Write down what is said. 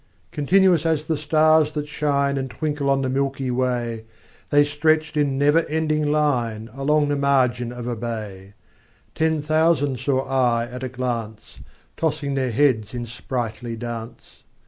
Continuous as the stars that shine And twinkle on the milky way, The stretched in never ending line Along the margin of a bay: Ten thousand saw I at a glance, Tossing their heads in sprightly dance.